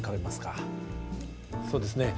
そうですね